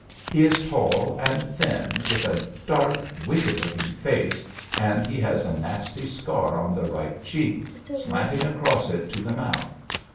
'He is tall and thin, with a dark, wicked looking face, and he has a nasty scar on the right cheek, slanting across it to the mouth.